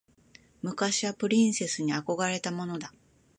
昔はプリンセスに憧れたものだ。